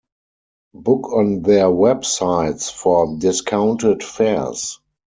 Book on their websites for discounted fares!